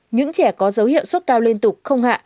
những trẻ có dấu hiệu sốt cao liên tục không hạ